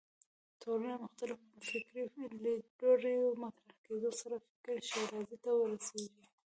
ټولنه مختلفو فکري لیدلوریو مطرح کېدو سره فکر ښېرازۍ ته ورسېږي